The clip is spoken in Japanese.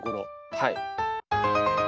はい。